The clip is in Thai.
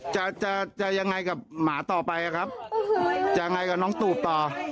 จะจะยังไงกับหมาต่อไปอะครับจะยังไงกับน้องตูบต่อ